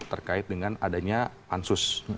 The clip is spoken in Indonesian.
terkait dengan adanya pansus